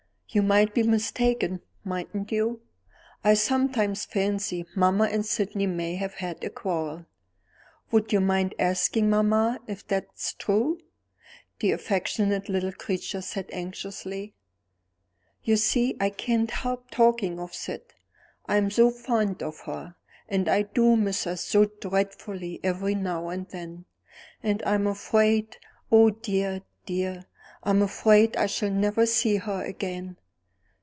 "You might be mistaken, mightn't you? I sometimes fancy mamma and Sydney may have had a quarrel. Would you mind asking mamma if that's true?" the affectionate little creature said, anxiously. "You see, I can't help talking of Syd, I'm so fond of her; and I do miss her so dreadfully every now and then; and I'm afraid oh, dear, dear, I'm afraid I shall never see her again!"